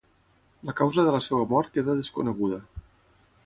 La causa de la seva mort queda desconeguda.